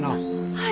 はい！